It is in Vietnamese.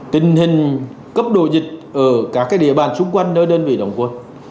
tình hình cấp độ dịch ở các địa bàn xung quanh nơi đơn vị đồng quân